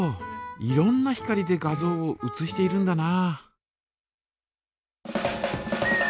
いろんな光で画像を写しているんだな。